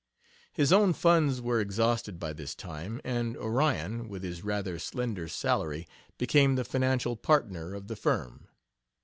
His own funds were exhausted by this time, and Orion, with his rather slender salary, became the financial partner of the firm.